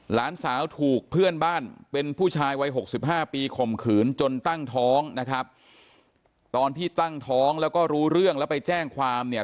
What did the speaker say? หลานสาวถูกเพื่อนบ้านเป็นผู้ชายวัยหกสิบห้าปีข่มขืนจนตั้งท้องนะครับตอนที่ตั้งท้องแล้วก็รู้เรื่องแล้วไปแจ้งความเนี่ย